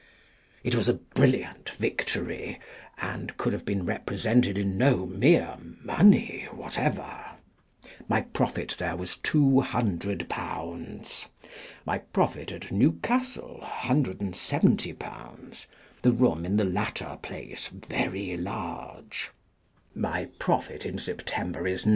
It was a brilliant victory, and could have been represented in no mere money whatever. My profit there was £200. My profit at Newcastle £170 (the room in the latter place, very large). My profit in September is